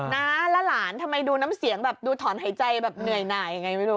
นะแล้วหลานทำไมดูน้ำเสียงแบบดูถอนหายใจแบบเหนื่อยหน่ายยังไงไม่รู้